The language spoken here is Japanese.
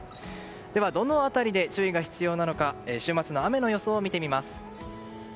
どの辺りで注意が必要なのか週末の雨の予想を見てみます。